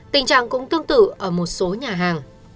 tình trạng cũng tương tự ở một số nhà hàng